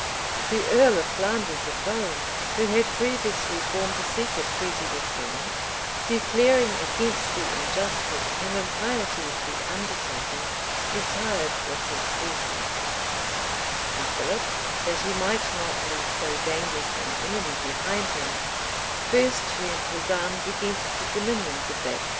The earl of Flanders alone, who had previously formed a secret treaty with John, declaring against the injustice and impiety of the undertaking, retired with his forces;[] and Philip, that he might not leave so dangerous an enemy behind him, first turned his arms against the dominions of that prince.